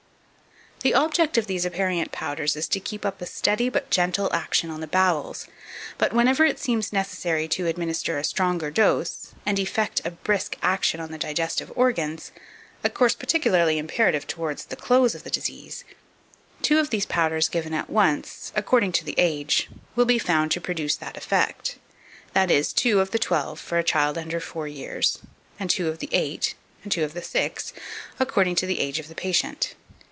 2555. The object of these aperient powders is to keep up a steady but gentle action on the bowels; but, whenever it seems necessary to administer a stronger dose, and effect a brisk action on the digestive organs, a course particularly imperative towards the close of the disease, two of these powders given at once, according to the age, will be found to produce that effect; that is, two of the twelve for a child under four years, and two of the eight, and two of the six, according to the age of the patient.